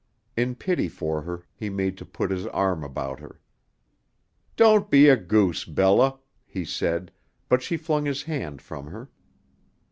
In pity for her he made to put his arm about her. "Don't be a goose, Bella," he said, but she flung his hand from her.